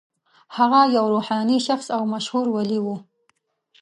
هغه یو روحاني شخص او مشهور ولي و.